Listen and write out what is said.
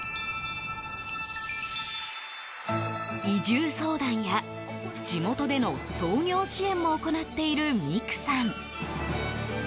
移住相談や地元での創業支援も行っている未来さん。